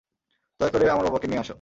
দয়া করে আমার বাবাকে নিয়ে আসো।